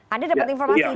anda dapat informasi itu